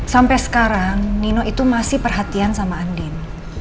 sampai sekarang nino itu masih perhatian sama andin